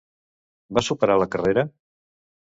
Va superar la carrera?